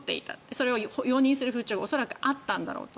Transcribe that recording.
それを容認する風潮が恐らくあったんだろうと。